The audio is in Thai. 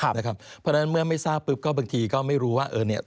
เพราะฉนั้นเมื่อไม่ทราบบางทีก็ไม่รู้ว่า